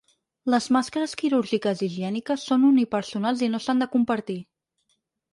Les màscares quirúrgiques i higièniques són unipersonals i no s’han de compartir.